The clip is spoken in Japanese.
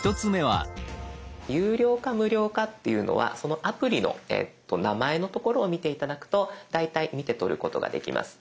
有料か無料かっていうのはそのアプリの名前のところを見て頂くと大体見て取ることができます。